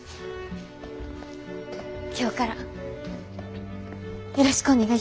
今日からよろしくお願いします。